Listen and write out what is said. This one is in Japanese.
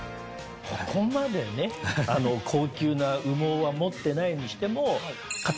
ここまでね高級な羽毛は持ってないにしても。